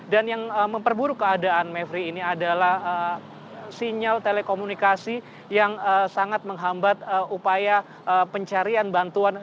dan yang memperburuk keadaan mavri ini adalah sinyal telekomunikasi yang sangat menghambat upaya pencarian bantuan